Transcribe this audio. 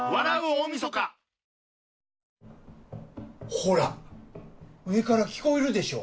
ほら上から聞こえるでしょ。